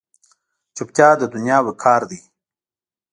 چوپتیا، د دنیا وقار دی.